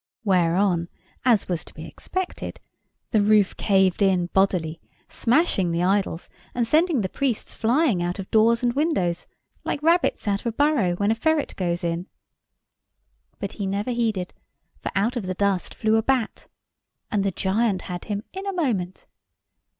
Whereon (as was to be expected) the roof caved in bodily, smashing the idols, and sending the priests flying out of doors and windows, like rabbits out of a burrow when a ferret goes in. But he never heeded; for out of the dust flew a bat, and the giant had him in a moment.